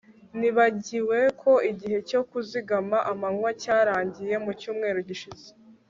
Nibagiwe ko igihe cyo kuzigama amanywa cyarangiye mucyumweru gishize